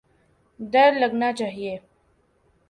ڈر لگنا چاہیے۔